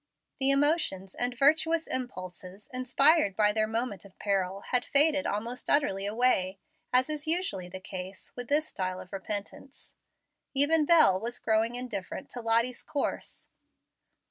The emotions and virtuous impulses inspired by their moment of peril had faded almost utterly away, as is usually the case with this style of repentance. Even Bel was growing indifferent to Lottie's course.